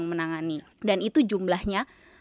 menangani dan itu jumlahnya